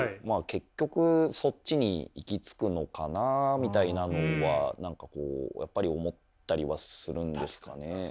結局そっちに行き着くのかなあみたいなのはやっぱり思ったりはするんですかね。